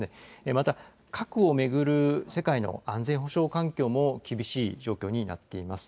また、核を巡る世界の安全保障環境も厳しい状況になっています。